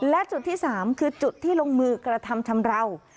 และจุดที่๓คือจุดที่ลงมือกระทำชำราว